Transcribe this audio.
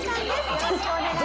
よろしくお願いします。